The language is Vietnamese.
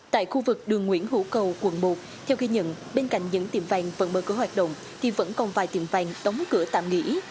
tại khu vực đường nguyễn hữu cầu quận một theo ghi nhận bên cạnh những tiệm vàng vẫn mở cửa hoạt động thì vẫn còn vài tiệm vàng đóng cửa tạm nghỉ